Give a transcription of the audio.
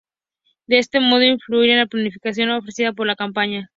De este modo influir en la planificación ofrecida por la compañía